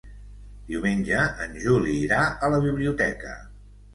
Diumenge en Juli irà a la biblioteca.